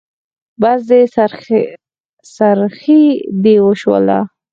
بس دی؛ څرخی دې وشوله.